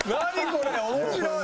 これ面白い！